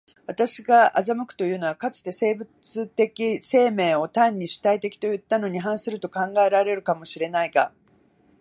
私が斯くいうのは、かつて生物的生命を単に主体的といったのに反すると考えられるかも知れないが、